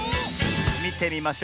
みてみましょう。